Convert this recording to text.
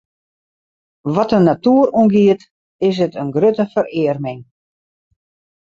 Wat de natoer oangiet, is it in grutte ferearming.